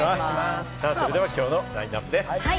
それでは今日のラインナップです。